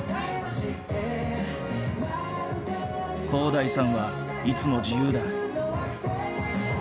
洸大さんはいつも自由だ。